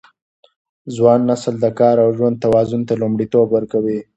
ځوان نسل د کار او ژوند توازن ته لومړیتوب ورکوي.